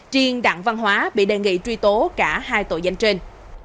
triên đặng văn hóa bị đề nghị truy tố cả hai tội danh trên